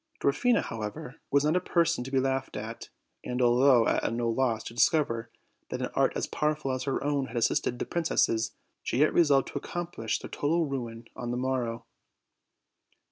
Dwarfina, however, was not a person to be laughed atj and, although at no loss to discover that an art as pow erful as her own had assisted the princesses, she yet re solved to accomplish their total ruin on the morrow.